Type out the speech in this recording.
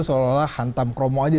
seolah olah hantam kromo aja